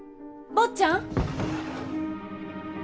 坊ちゃん！